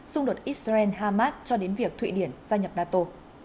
xung đột israel hamas cho đến việc thụy điển gia nhập nato